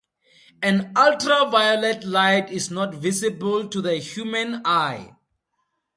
An ultraviolet light is not visible to the human eye.